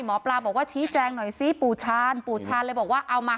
หมอปลาบอกว่าชี้แจงหน่อยซิปู่ชาญปู่ชาญเลยบอกว่าเอามา